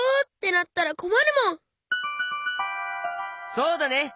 そうだね！